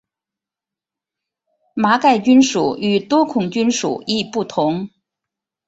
麻盖菌属与多孔菌属亦不同。